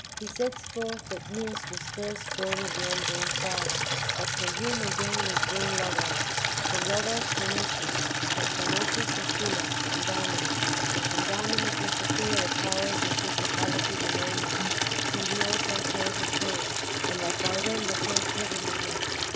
He sets forth that Nous was first born of the unborn father, that from him, again, was born Logos, from Logos Phronesis, from Phronesis Sophia and Dynamis, and from Dynamis and Sophia the powers, and principalities, and angels, whom he also calls the first; and that by them the first heaven was made.